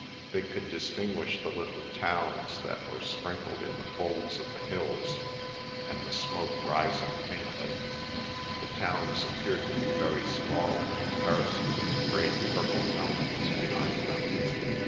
They could distinguish the little towns that were sprinkled in the folds of the hills, and the smoke rising faintly. The towns appeared to be very small in comparison with the great purple mountains behind them.